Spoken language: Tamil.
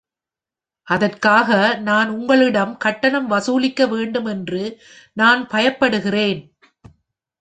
அதற்காக நான் உங்களிடம் கட்டணம் வசூலிக்க வேண்டும் என்று நான் பயப்படுகிறேன்.